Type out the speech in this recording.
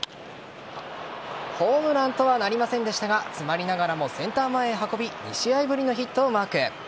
ホームランとはなりませんでしたが詰まりながらもセンター前へ運び２試合ぶりのヒットをマーク。